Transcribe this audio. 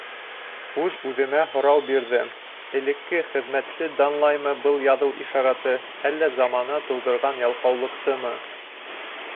Үҙ-үҙемә һорау бирҙем, элекке хеҙмәтте данлаймы был яҙыу ишараты, әллә замана тыуҙырған ялҡаулыҡтымы?